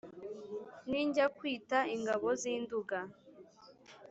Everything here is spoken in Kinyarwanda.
ninjya kwita ingabo z' i nduga